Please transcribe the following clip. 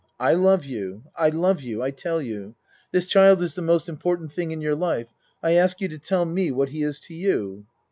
I love you. I love you I tell you. This child is the most important thing in your life. I ask you to tell me what he is to you.